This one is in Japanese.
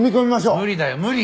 無理だよ無理！